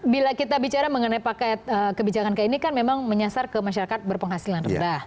bila kita bicara mengenai paket kebijakan kayak ini kan memang menyasar ke masyarakat berpenghasilan rendah